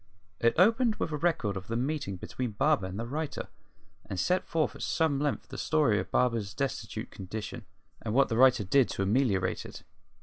It opened with a record of the meeting between Barber and the writer, and set forth at some length the story of Barber's destitute condition, and what the writer did to ameliorate it.